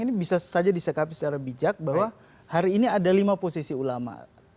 ini bisa saja disekapi secara bijak bahwa hari ini ada lima posisi ulama